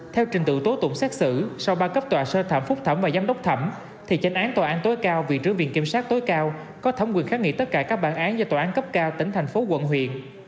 theo trình tự tố tụng xét xử sau ba cấp tòa sơ thẩm phúc thẩm và giám đốc thẩm thì tranh án tòa án tối cao viện trưởng viện kiểm sát tối cao có thẩm quyền kháng nghị tất cả các bản án do tòa án cấp cao tỉnh thành phố quận huyện